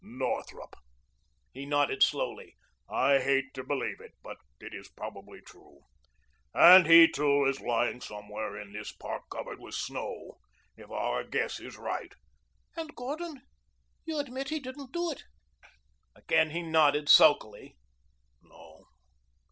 "Northrup." He nodded slowly. "I hate to believe it, but it is probably true. And he, too, is lying somewhere in this park covered with snow if our guess is right." "And Gordon you admit he didn't do it?" Again he nodded, sulkily. "No.